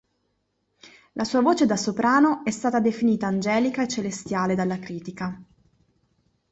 La sua voce da soprano è stata definita angelica e celestiale dalla critica.